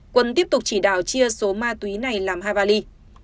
quân tiếp tục chỉ đảo chia số ma túy này làm hai vali